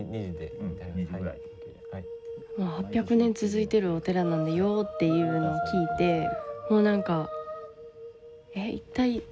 「もう８００年続いてるお寺なんだよ」っていうのを聞いてもうなんか「えっ一体何時代？」